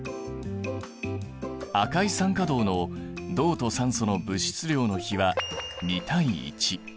赤い酸化銅の銅と酸素の物質量の比は２対１。